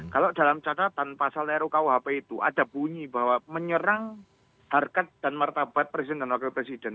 kalau dalam catatan pasal rukuhp itu ada bunyi bahwa menyerang harkat dan martabat presiden dan wakil presiden